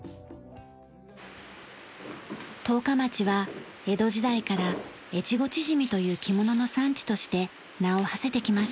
十日町は江戸時代から越後縮という着物の産地として名をはせてきました。